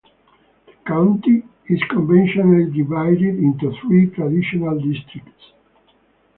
The county is conventionally divided into three traditional districts.